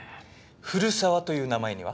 古沢という名前には？